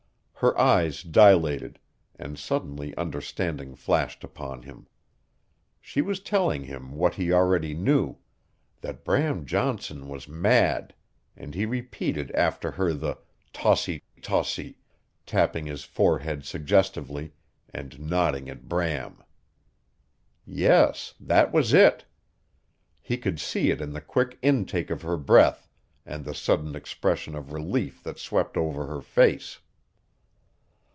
Her eyes dilated and suddenly understanding flashed upon him. She was telling him what he already knew that Bram Johnson was mad, and he repeated after her the "Tossi tossi," tapping his forehead suggestively, and nodding at Bram. Yes, that was it. He could see it in the quick intake of her breath and the sudden expression of relief that swept over her face.